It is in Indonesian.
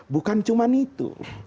bukan cuma itu